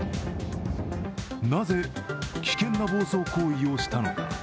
なぜ、危険な暴走行為をしたのか。